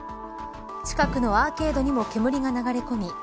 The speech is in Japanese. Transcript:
近くのアーケードにも煙が流れ込み